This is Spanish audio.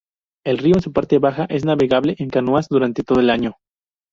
El río, en su parte baja, es navegable en canoas durante todo el año.